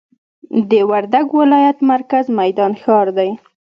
د وردګ ولایت مرکز میدان ښار دي.